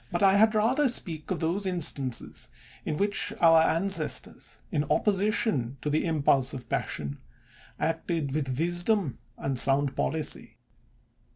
222 JULIUS CiESAR had rather speak of those instances in which our ancestors, in opposition to the impulse of passion, acted with wisdom and sound policy.